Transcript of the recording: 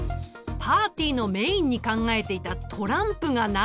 パーティーのメインに考えていたトランプがなかったのだ！